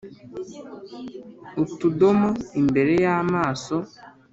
utudomo imbere y'amaso